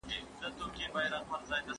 ډنډرایټونه د عصبي حجرو پراخېدونکې برخې دي.